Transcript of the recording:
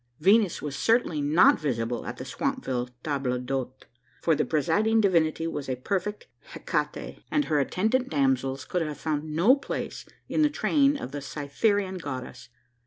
Venus was certainly not visible at the Swampville table d'hote: for the presiding divinity was a perfect Hecate; and her attendant damsels could have found no place in the train of the Cytherean goddess.